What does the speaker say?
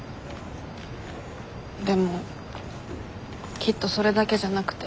でもきっとそれだけじゃなくて。